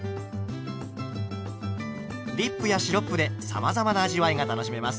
ディップやシロップでさまざまな味わいが楽しめます。